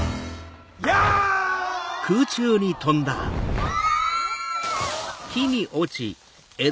うわ！